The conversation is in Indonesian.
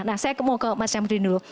nah saya mau ke mas syamdrin dulu